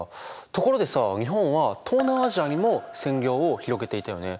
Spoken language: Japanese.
ところでさ日本は東南アジアにも占領を広げていたよね。